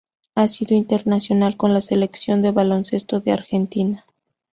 Ha sido internacional con la Selección de baloncesto de Argentina.